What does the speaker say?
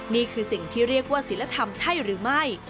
นี่คือสิ่งที่เรียกว่าศิลธรรมใช่หรือไม่